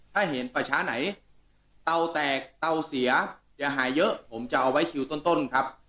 เตาแตกเตาเสียเดี๋ยวหายเยอะผมจะเอาไว้คิวต้นครับ